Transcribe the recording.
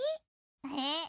えっ？